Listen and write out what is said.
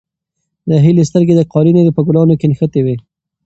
د هیلې سترګې د قالینې په ګلانو کې نښتې وې.